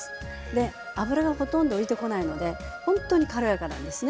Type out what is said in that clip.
で脂がほとんど浮いてこないのでほんとに軽やかなんですね。